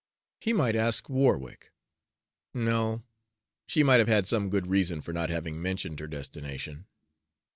He might ask Warwick no, she might have had some good reason for not having mentioned her destination.